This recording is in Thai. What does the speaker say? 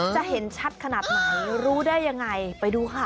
จะเห็นชัดขนาดไหนรู้ได้ยังไงไปดูค่ะ